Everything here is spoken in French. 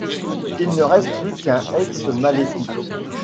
Il ne reste plus qu'un ex-maléfique.